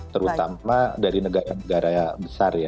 terutama dari negara besar